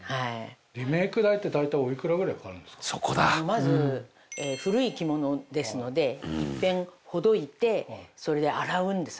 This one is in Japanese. まず古い着物ですのでいっぺんほどいてそれで洗うんです。